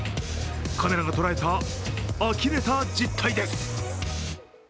カメラが捉えたあきれた実態です。